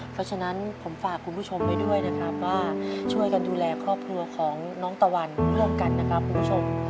เพราะฉะนั้นผมฝากคุณผู้ชมไว้ด้วยนะครับว่าช่วยกันดูแลครอบครัวของน้องตะวันร่วมกันนะครับคุณผู้ชม